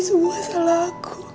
ini semua salah aku